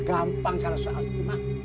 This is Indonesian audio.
gampang kalau soal itu mah